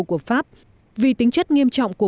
của pháp vì tính chất nghiêm trọng của